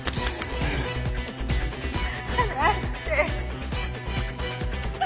離して。